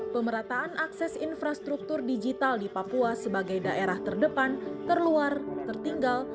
pemerataan akses infrastruktur digital di papua sebagai daerah terdepan terluar tertinggal